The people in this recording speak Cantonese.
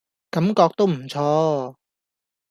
感覺都唔錯